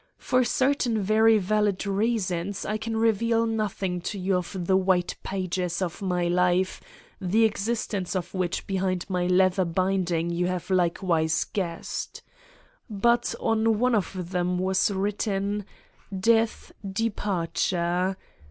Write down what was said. For certain very valid reasons I can reveal nothing to 128 Satan's Diary you of the white pages of my life, the existence of which behind my leather binding you have like wise guessed. But on one of them was written: death departure.